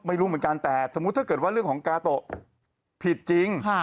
ไม่รู้เหมือนกันแต่สมมุติถ้าเกิดว่าเรื่องของกาโตะผิดจริง